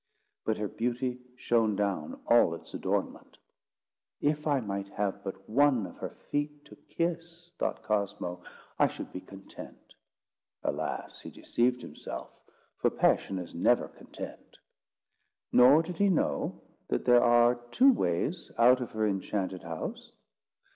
But her beauty shone down all its adornment. "If I might have but one of her feet to kiss," thought Cosmo, "I should be content." Alas! he deceived himself, for passion is never content. Nor did he know that there are two ways out of her enchanted house.